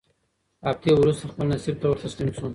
هفتې وورسته خپل نصیب ته ورتسلیم سو